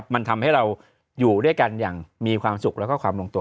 มันทำให้เราอยู่ด้วยกันอย่างมีความสุขแล้วก็ความลงตัว